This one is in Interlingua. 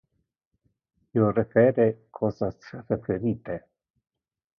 Io refere cosas referite.